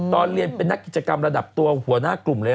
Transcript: ตอนเรียนเป็นนักกิจกรรมระดับตัวหัวหน้ากลุ่มเลย